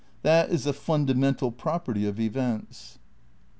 That is a fundamental property of events."